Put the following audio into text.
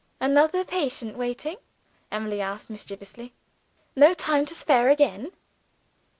"Another patient waiting?" Emily asked mischievously. "No time to spare, again?"